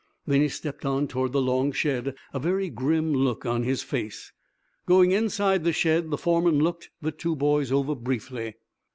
Then he stepped on toward the long shed, a very grim look on his face. Going inside the shed, the foreman looked the two boys over briefly.